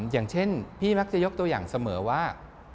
อย่างเช่นพี่มักจะยกตัวอย่างเสมอว่า